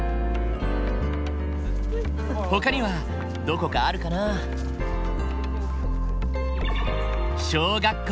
ほかにはどこかあるかな？小学校。